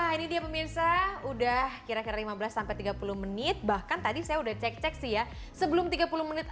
nah ini dia pemirsa udah kira kira lima belas tiga puluh menit bahkan tadi saya udah cek cek sih ya sebelum tiga puluh menit